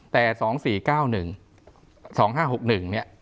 แต่สองสี่เก้าหนึ่งสองห้าหกหนึ่งเนี่ย